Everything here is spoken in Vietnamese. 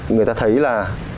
người ta thấy là